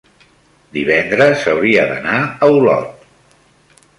divendres hauria d'anar a Olot.